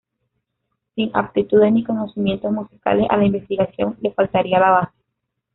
Sin aptitudes ni conocimientos musicales, a la investigación le faltaría la base.